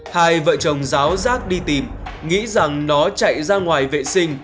hai vợ chồng giáo đi tìm nghĩ rằng nó chạy ra ngoài vệ sinh